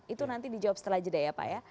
itu nanti dijawab setelah jeda ya pak ya